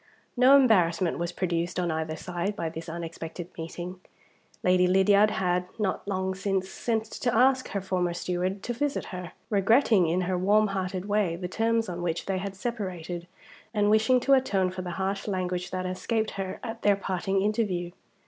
No embarrassment was produced on either side by this unexpected meeting. Lady Lydiard had, not long since, sent to ask her former steward to visit her; regretting, in her warm hearted way, the terms on which they had separated, and wishing to atone for the harsh language that had escaped her at their parting interview.